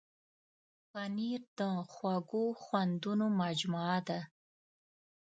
پنېر د خوږو خوندونو مجموعه ده.